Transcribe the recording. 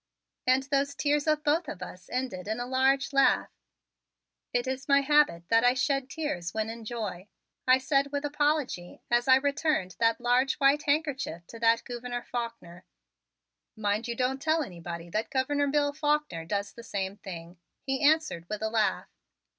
And those tears of both of us ended in a large laugh. "It is my habit that I shed tears when in joy," I said with apology, as I returned that large white handkerchief to that Gouverneur Faulkner. "Mind you don't tell anybody that Governor Bill Faulkner does the same thing," he answered with a laugh.